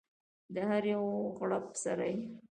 د هر یو غړپ سره یې